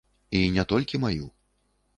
І не толькі маю.